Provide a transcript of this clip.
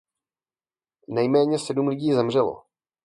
Nejméně sedm lidí zemřelo.